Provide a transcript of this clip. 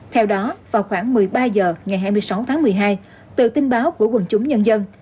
theo đó vào khoảng một mươi ba h ngày hai mươi sáu tháng một mươi hai từ tin báo của quần chúng nhân dân